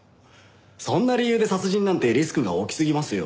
そんな理由で殺人なんてリスクが大きすぎますよ。